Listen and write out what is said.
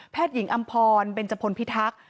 หญิงอำพรเบนจพลพิทักษ์